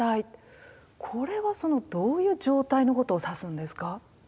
これはそのどういう状態のことを指すんですか？